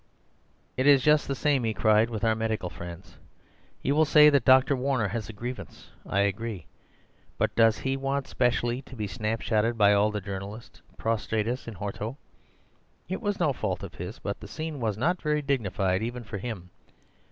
"It is just the same," he cried, "with our medical friends. You will say that Dr. Warner has a grievance. I agree. But does he want specially to be snapshotted by all the journalists prostratus in horto? It was no fault of his, but the scene was not very dignified even for him.